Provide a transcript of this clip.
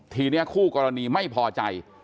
ทีนี้คู่กรณีไม่พอใจ